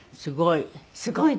すごい。